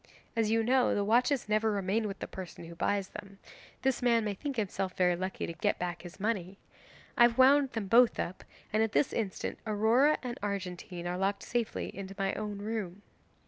As you know the watches never remain with the person who buys them, this man may think himself very lucky to get back his money. I have wound them both up, and at this instant Aurora and Argentine are locked safely into my own room.